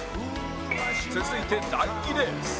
続いて第２レース